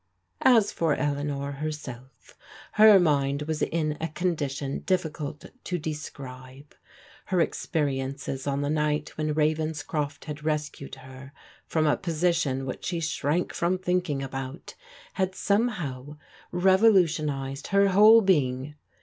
As for Eleanor herself, her mind was in a condition difficult to describe. Her experiences on the mght when Ravenscroft had rescued her from a position which she shrank from thinking about, had somehow revolutionized her whole being.